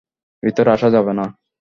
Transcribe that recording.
ভিতরে আসা যাবে না!